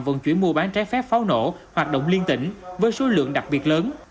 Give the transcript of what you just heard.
vận chuyển mua bán trái phép pháo nổ hoạt động liên tỉnh với số lượng đặc biệt lớn